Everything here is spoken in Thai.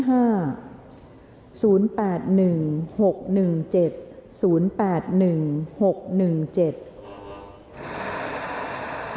ออกรางวัลที่๕ครั้งที่๖